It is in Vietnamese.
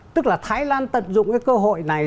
tức là thái lan tận dụng cái cơ hội này